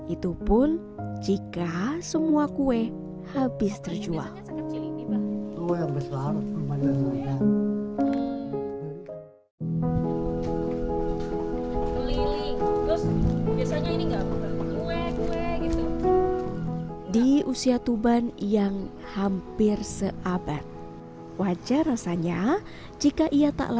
itu pun jika semua kue habis terjual